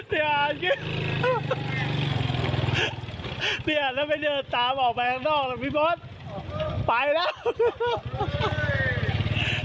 เฮี้ยแล้วไม่เดินตามออกมาตรงนอกแล้วพี่บอสไปแล้ว